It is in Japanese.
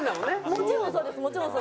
もちろんそうです。